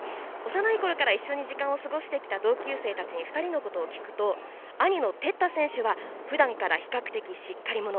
幼いころから一緒に時間を過ごしてきた同級生たちに２人のことを聞くと兄の哲太選手はふだんから比較的しっかり者。